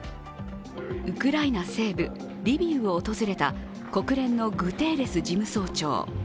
ウクライナ西部リビウを訪れた国連のグテーレス事務総長。